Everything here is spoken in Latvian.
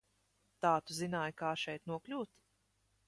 Tā tu zināji, kā šeit nokļūt?